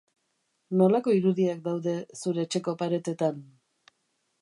Nolako irudiak daude zure etxeko paretetan?